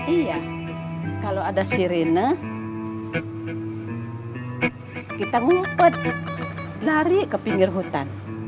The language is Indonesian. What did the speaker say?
iya kalau ada sirine kita ngumpet lari ke pinggir hutan